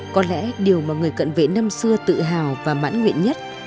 có lẽ điều mà người cận vệ năm xưa tự hào và mãn nguyện nhất